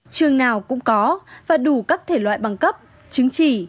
trường nào cũng có và đủ các thể loại bằng cấp chứng chỉ